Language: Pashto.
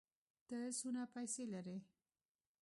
ته څونه پېسې لرې؟